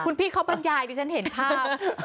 คุณพี่เขาบรรยายดิฉันเห็นภาพ